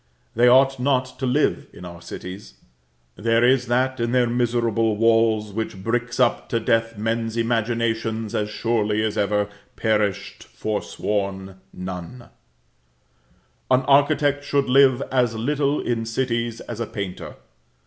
They ought not to live in our cities; there is that in their miserable walls which bricks up to death men's imaginations, as surely as ever perished forsworn nun. An architect should live as little in cities as a painter.